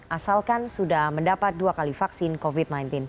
asalkan sudah mendapat dua kali vaksin covid sembilan belas